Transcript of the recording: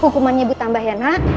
hukumannya buta mbah ya nak